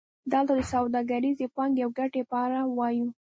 دلته د سوداګریزې پانګې او ګټې په اړه وایو